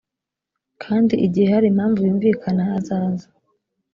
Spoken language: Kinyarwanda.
kandi igihe hari impamvu yumvikana azaze.